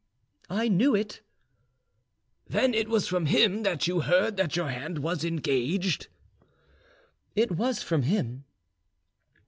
"I knew it." "Then it was from him that you heard that your hand was engaged?" "It was from him."